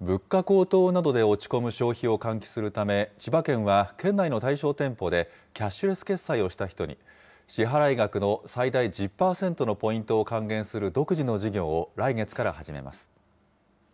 物価高騰などで落ち込む消費を喚起するため、千葉県は県内の対象店舗でキャッシュレス決済をした人に、支払い額の最大１０％のポイントを還元する独自の事業を来月から始めます。